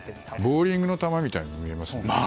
ボウリングの球みたいに見えますね。